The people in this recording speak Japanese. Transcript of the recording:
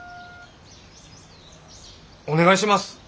お願いします。